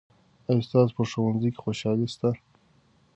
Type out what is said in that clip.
آیا ستاسو په ښوونځي کې خوشالي سته؟